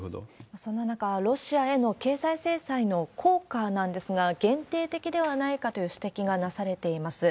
そんな中、ロシアへの経済制裁の効果なんですが、限定的ではないかという指摘がなされています。